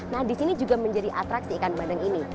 nah di sini juga menjadi atraksi ikan bandeng ini